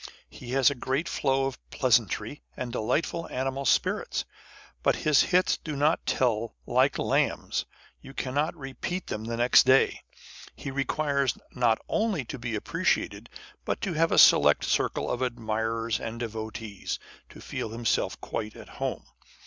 He has a great flow of pleasantry and delightful animal spirits : but his hits do not tell like Lamb's ; you cannot repeat them the next day. He requires not only to be appreciated but to have a select circle of admirers and devotees, to feel himself quite at home.